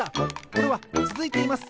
これはつづいています！